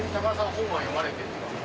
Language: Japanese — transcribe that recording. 本は読まれてるんですか？